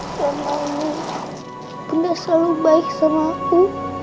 dan nama nu bunda selalu baik sama aku